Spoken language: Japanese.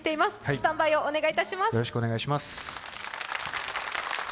スタンバイをお願いします。